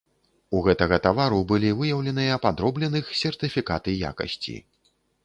У гэтага тавару былі выяўленыя падробленых сертыфікаты якасці.